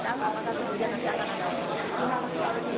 apakah kemudian nanti akan ada pukul delapan pagi